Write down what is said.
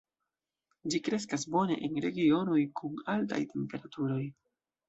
Ĝi kreskas bone en regionoj kun altaj temperaturoj.